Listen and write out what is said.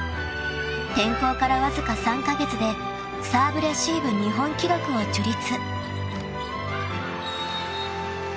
［転向からわずか３カ月でサーブレシーブ日本記録を樹立］